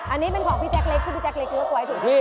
อันนี้เป็นของพี่แจ๊กเล็กที่พี่แจ๊เล็กเลือกไว้ถูกไหม